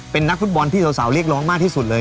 เป็นนักฟุตบอลที่สาวเรียกร้องมากที่สุดเลย